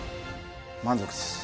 満足です。